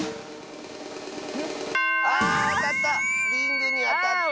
ああたった！